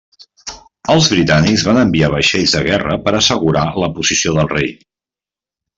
Els britànics van enviar vaixells de guerra per assegurar la posició del rei.